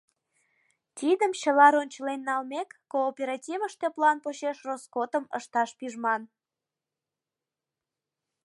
Тидым чыла рончылен налмек, кооперативыште план почеш роскотым ышташ пижман.